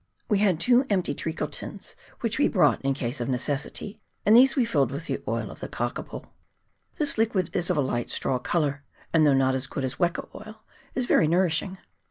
We had two empty treacle tins which we brought in case of necessity, and these we filled with the oil of the kakapo. This liquid is of a light straw colour, and, though not as good as weka oil, is very nourishing.